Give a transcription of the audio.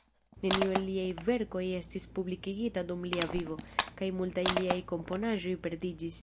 Neniu el liaj verkoj estis publikigita dum lia vivo, kaj multaj liaj komponaĵoj perdiĝis.